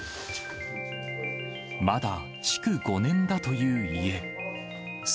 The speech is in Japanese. まだ築５年だという家。